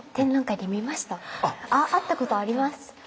会ったことあります！